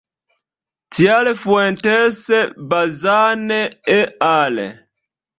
Tial Fuentes-Bazan et al.